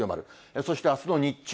そしてあすの日中。